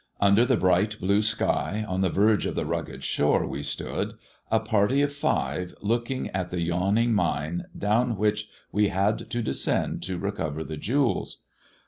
Under the bright blue sky, on the verge of the rugged shore, we stood, a party of five, looking at the yawning mine, down which we had to descend to recover the jewels.